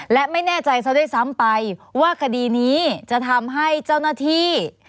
และไม่แน่ใจซะด้วยซ้ำไปว่าคดีนี้จะทำให้เจ้าหน้าที่